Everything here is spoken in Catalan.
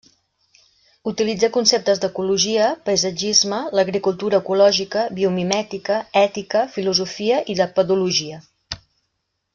Utilitza conceptes d'ecologia, paisatgisme, l'agricultura ecològica, biomimètica, ètica, filosofia i de pedologia.